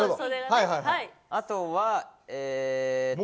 あとは。